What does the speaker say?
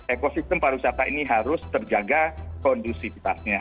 ekosistem pariwisata ini harus terjaga kondusivitasnya